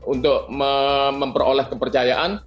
untuk memperoleh kepercayaan